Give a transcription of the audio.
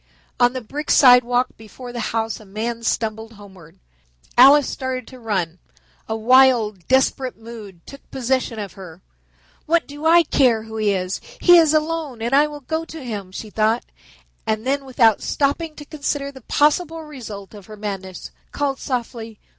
On the brick sidewalk before the house a man stumbled homeward. Alice started to run. A wild, desperate mood took possession of her. "What do I care who it is. He is alone, and I will go to him," she thought; and then without stopping to consider the possible result of her madness, called softly.